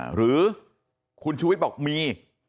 หรือคุณชูวิทย์บอกมี